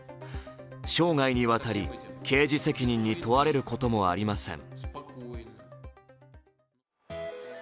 生涯にわたり刑事事件に問われることはありません。